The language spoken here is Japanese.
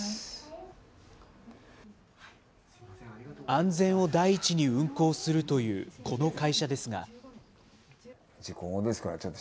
安全を第一に運航するというこの会社ですが。